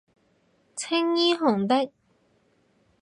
青衣紅的